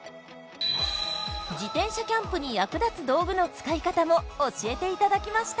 自転車キャンプに役立つ道具の使い方も教えていただきました。